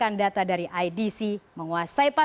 ini adalah data yang sangat penting untuk menguasai dunia